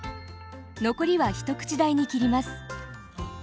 残りは一口大に切ります。